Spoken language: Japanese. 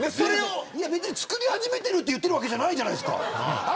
作り始めてるって言ってるわけじゃないじゃないですか。